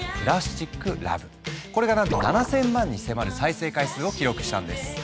これがなんと７，０００万に迫る再生回数を記録したんです。